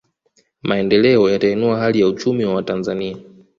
Maendeleo yatainua hali ya uchumi wa Watanzania